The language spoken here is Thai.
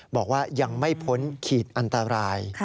บอกว่ายังไม่พ้นขีดอันตราย